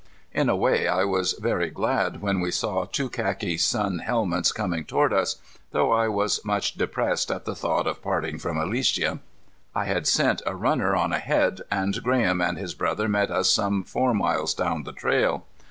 In a way I was very glad when we saw two khaki sun helmets coming toward us, though I was much depressed at the thought of parting from Alicia. I had sent a runner on ahead, and Graham and his brother met us some four miles down the trail.